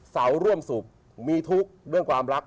เสาร่วมสุขมีทุกข์เรื่องความรัก